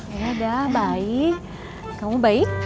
ya udah baik kamu baik